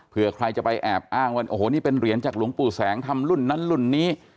เพื่อใครจะไปแอบอ้างว่าโอ้โหนี่เป็นเหรียญจากหลวงปู่แสงทำรุ่นนั้นรุ่นนี้